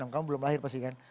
kamu belum lahir pasti kan